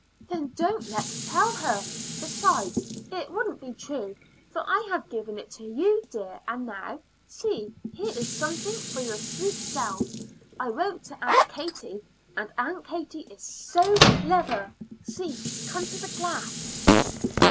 "Then don't let's tell her. Besides, it wouldn't be true, for I have given it to you, dear. And now, see, here is something for your sweet self. I wrote to Aunt Katie, and Aunt Katie is so clever. See! come to the glass."